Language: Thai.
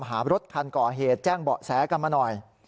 หารถคันก่อเหตุแจ้งเบาะแสกันมาหน่อย